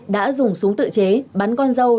đã dùng súng tự chế bắn con dâu